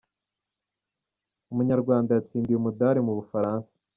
Umunyarwanda yatsindiye umudari mu Bufaransa